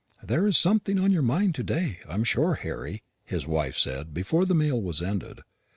"There's something on your mind to day, I'm sure, Harry," his wife said before the meal was ended.